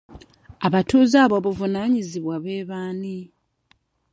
Abatuuze ab'obuvunaanyizibwa be baani?